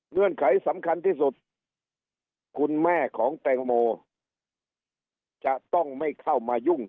ไขสำคัญที่สุดคุณแม่ของแตงโมจะต้องไม่เข้ามายุ่ง